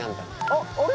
あっあれ？